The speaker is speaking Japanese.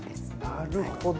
なるほど。